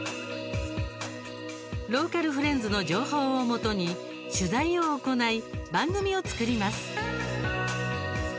ローカルフレンズの情報をもとに取材を行い、番組を作ります。